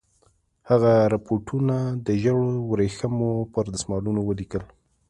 هغه رپوټونه د ژړو ورېښمو پر دسمالونو ولیکل.